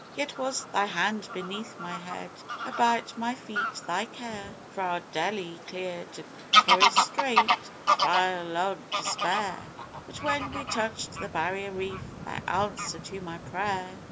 Yet was Thy hand beneath my head: about my feet Thy care Fra' Deli clear to Torres Strait, the trial o' despair, But when we touched the Barrier Reef Thy answer to my prayer!